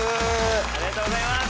ありがとうございます。